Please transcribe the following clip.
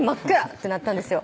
ってなったんですよ